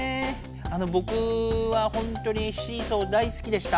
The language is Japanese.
あのぼくはほんとにシーソー大すきでした。